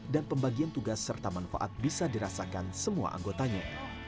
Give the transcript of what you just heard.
dan pembagian tugas serta manfaat bisa dirasakan semua anggotanya